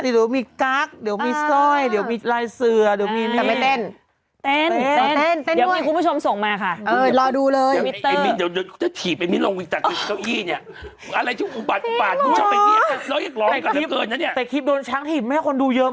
ได้มีกลั๊กเดี๋ยวมีสร้อยเดียวมีไหล่สื่อแต่ไม่เต้นประเทศแดงหลวงมาค่ะรอดูเลย